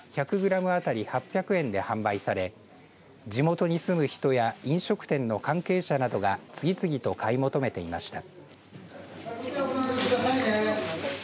イクラは１００グラム当たり８００円で販売され地元に住む人や飲食店の関係者などが次々と買い求めていました。